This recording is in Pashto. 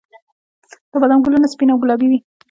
د بادام ګلونه سپین او ګلابي وي